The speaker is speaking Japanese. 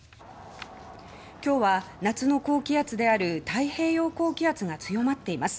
今日は夏の高気圧である太平洋高気圧が強まっています。